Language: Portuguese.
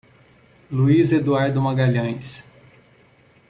Luís Eduardo Magalhães